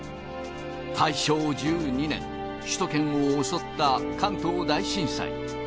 大正１２年首都圏を襲った関東大震災。